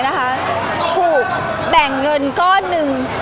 พี่ตอบได้แค่นี้จริงค่ะ